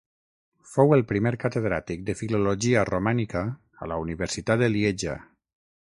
Fou el primer catedràtic de Filologia Romànica a la universitat de Lieja.